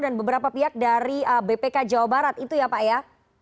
dan beberapa pihak dari bpk jawa barat itu ya pak ya